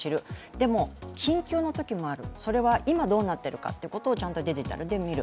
でも緊急のときもある、それは今どうなっているかということをちゃんとデジタルで見る。